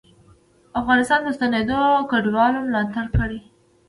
افغانستان ته ستنېدونکو کډوالو ملاتړ کړی دی